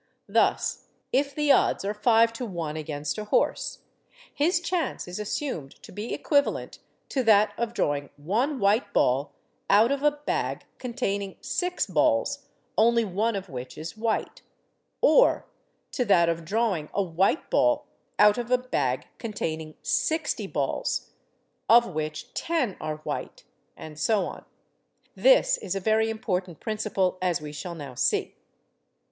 Thus, if the odds are 5 to 1 against a horse, his chance is assumed to be equivalent to that of drawing one white ball out of a bag containing six balls, only one of which is white; or to that of drawing a white ball out of a bag containing sixty balls, of which ten are white and so on. This is a very important principle, as we shall now see.